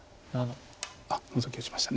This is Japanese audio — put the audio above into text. あっノゾキ打ちました。